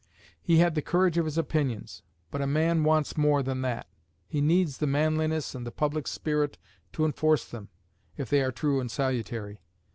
He had the courage of his opinions; but a man wants more than that: he needs the manliness and the public spirit to enforce them, if they are true and salutary.